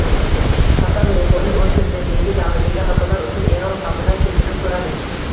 Hasan Ruhoniy o‘z prezidentligi davridagi xatolar uchun Eron xalqidan kechirim so‘radi